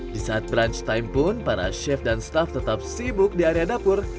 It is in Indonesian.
di saat brunch time pun para chef dan staff tetap sibuk di area dapur